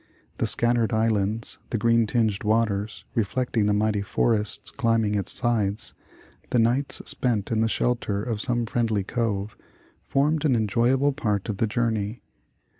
The scattered islands, the green tinged waters, reflecting the mighty forests climbing its sides, the nights spent in the shelter of some friendly cove, formed an enjoyable part of the journey.